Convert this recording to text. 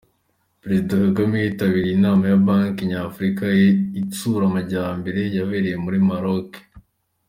Perezida Kagame yitabiriye inama ya Banki nyafurika itsura amajyambere yabereye muri Maroke.